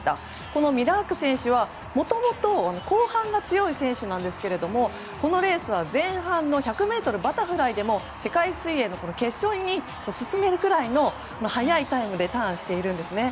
このミラーク選手はもともと後半が強い選手なんですがこのレースは前半の１００ｍバタフライでも世界水泳の決勝に進めるくらいの速いタイムでターンしているんですね。